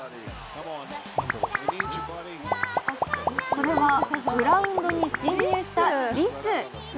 それは、グラウンドに侵入したリス。